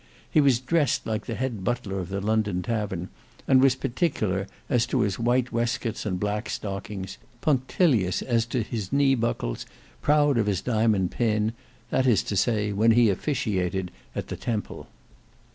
He was dressed like the head butler of the London Tavern, and was particular as to his white waistcoats and black silk stockings, punctilious as to his knee buckles, proud of his diamond pin; that is to say when he officiated at the Temple.